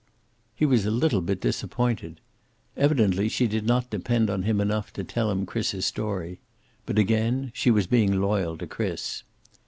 He was a little bit disappointed. Evidently she did not depend on him enough to tell him Chris's story. But again, she was being loyal to Chris.